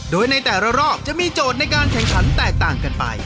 โดยในแต่ละรอบจะมีโจทย์ในการแข่งขันแตกต่างกันไป